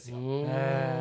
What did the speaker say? へえ。